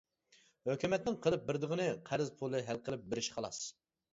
ھۆكۈمەتنىڭ قىلىپ بېرىدىغىنى قەرز پۇلى ھەل قىلىپ بېرىش خالاس.